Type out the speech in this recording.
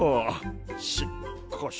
しっかし